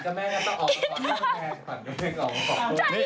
ใจเย็น